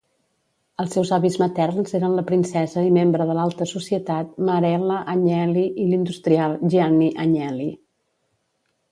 Els seus avis materns eren la princesa i membre de l'alta societat Marella Agnelli i l'industrial Gianni Agnelli.